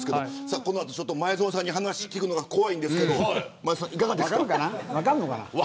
前園さんに話を聞くのが怖いんですけど、いかがですか。